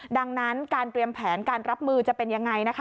ดังนั้นการเตรียมแผนการรับมือจะเป็นยังไงนะคะ